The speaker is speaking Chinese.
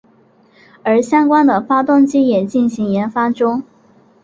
而相关的发动机也进行研发中。